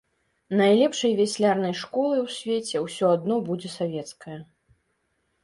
Найлепшай вяслярнай школай у свеце ўсё адно будзе савецкая.